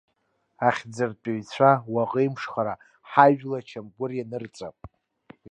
Ахьӡыртәҩцәа, уаӷеимшхара, ҳажәла ачамгәыр ианырҵап.